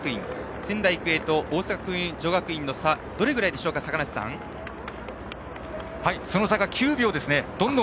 仙台育英と大阪薫英女学院の差はどれぐらいでしょうか、坂梨さん。